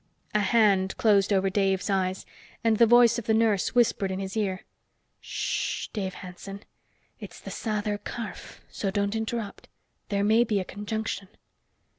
A hand closed over Dave's eyes, and the voice of the nurse whispered in his ear. "Shh, Dave Hanson. It's the Sather Karf, so don't interrupt. There may be a conjunction."